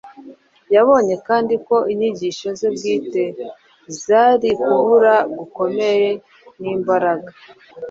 Yabonye kandi ko inyigisho ze bwite zari kubura gukomera n’imbaraga